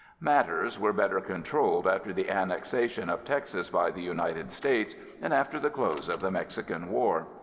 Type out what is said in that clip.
Matters were better controlled after the annexation of Texas by the United States and after the close of the Mexican War.